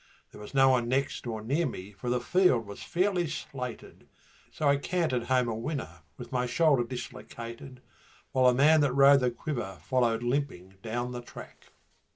There was no one next or near me for the field was fairly slated, So I cantered home a winner with my shoulder dislocated, While the man that rode the Quiver followed limping down the track.